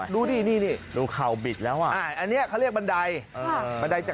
รู้ดีนี่